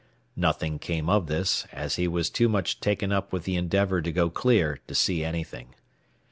Nothing came of this, as he was too much taken up with the endeavor to go clear to see anything.